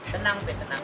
tenang be tenang